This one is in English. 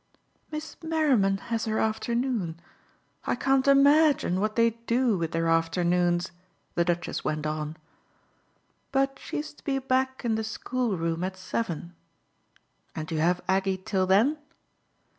"Miss Merriman has her afternoon I can't imagine what they do with their afternoons," the Duchess went on. "But she's to be back in the school room at seven." "And you have Aggie till then?"